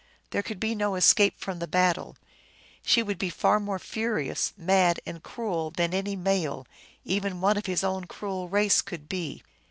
There could be no escape from the battle. She would be far more furious, mad, and cruel than any male, even one of his own cruel race, could be.